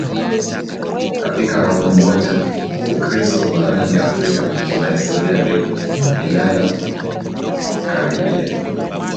katika Rom moja Ukristo barani Afrika una historia ndefu inayokaribia